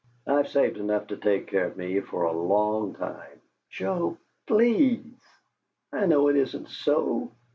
"I've saved enough to take care of me for a LONG time." "Joe, PLEASE! I know it isn't so.